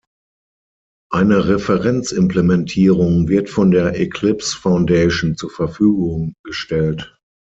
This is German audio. Eine Referenzimplementierung wird von der Eclipse Foundation zur Verfügung gestellt.